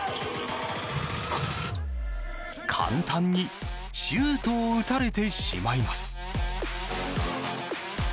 簡単にシュートを打たれてしまいます。